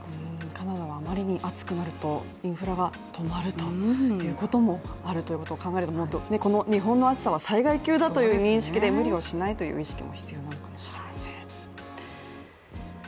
カナダはあまりに暑くなると、インフラが止まるということもあるということを考えるとこの日本の暑さは災害級だという認識で、無理をしないという意識も必要かもしれません。